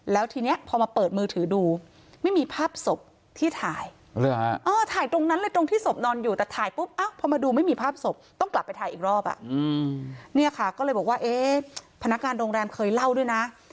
แล้วทีนี้พอมาเปิดมือถือดูไม่มีภาพศพที่ถ่าย